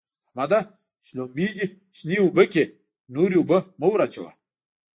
احمده! شلومبې دې شنې اوبه کړې؛ نورې اوبه مه ور اچوه.